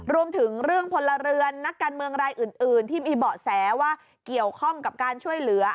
รวมถึงเรื่องพลเรือนนักการเมืองรายอื่นที่มีเบาะแสว่าเกี่ยวข้องกับการช่วยเหลือ